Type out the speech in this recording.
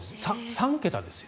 ３桁ですよ。